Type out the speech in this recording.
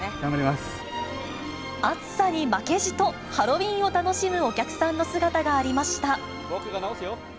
暑さに負けじとハロウィーンを楽しむお客さんの姿がありました。